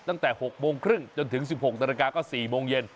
ตั้งแต่ครึ่งจนถึงตรก็สี่โบร์งเย็น